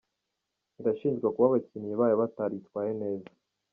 Irashinjwa kuba abakinnyi bayo bataritwaye neza.